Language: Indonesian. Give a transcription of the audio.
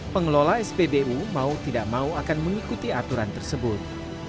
pengelola spbu mau tidak mau akan mengikuti aturan tersebut